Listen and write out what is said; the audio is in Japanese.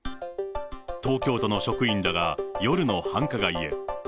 東京都の職員らが夜の繁華街へ。